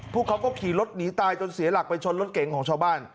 พวกเขาก็ขี่รถหนีตายจนเสียหลักไปชนรถเก๋งของชาวบ้าน